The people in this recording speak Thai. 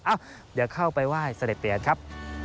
เอ้าเดี๋ยวเข้าไปไหว้เสด็จเตียนครับ